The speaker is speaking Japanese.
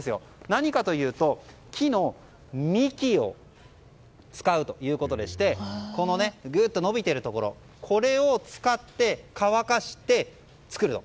何かというと木の幹を使うということでしてこの伸びているところこれを使って乾かして作ると。